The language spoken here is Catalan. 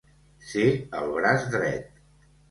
Ser el braç dret.